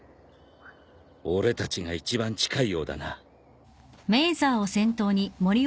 俺たちが一番近いようだな。